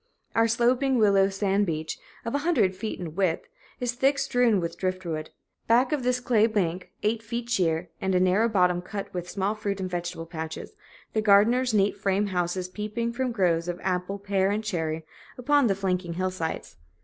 Our sloping willowed sand beach, of a hundred feet in width, is thick strewn with driftwood; back of this a clay bank, eight feet sheer, and a narrow bottom cut up with small fruit and vegetable patches; the gardeners' neat frame houses peeping from groves of apple, pear and cherry, upon the flanking hillsides.